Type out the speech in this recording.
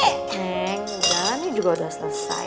oke jalan ini juga udah selesai